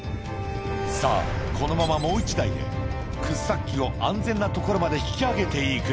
さあ、このままもう１台で掘削機を安全な所まで引き上げていく。